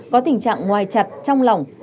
có tình trạng ngoài chặt trong lòng